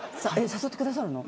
誘ってくださるの。